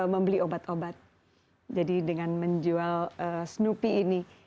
membeli obat obat jadi dengan menjual snopi ini